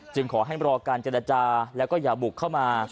ขอให้รอการเจรจาแล้วก็อย่าบุกเข้ามา